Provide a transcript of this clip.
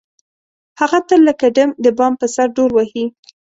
هغه تل لکه ډم د بام په سر ډول وهي.